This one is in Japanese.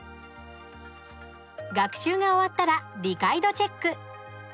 学習が終わったら理解度チェック。